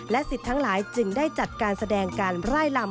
สิทธิ์ทั้งหลายจึงได้จัดการแสดงการไล่ลำ